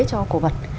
cho cổ vật